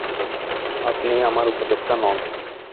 আপনি আমার উপদেষ্টা নন।